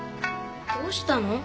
どうしたの？